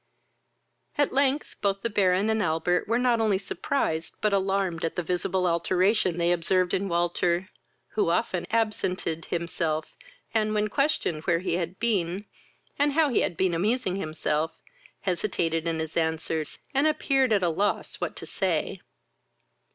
At length, both the Baron and Albert were not only surprised, but alarmed at the visible alteration they observed in Walter, who often absented himself, and when questioned where he had been, and how he had been amusing himself, hesitated in his answers, and appeared at a loss what to say.